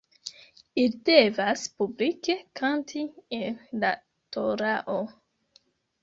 Ili devas publike kanti el la torao.